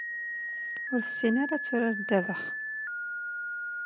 Ur tessin ara ad turar ddabex.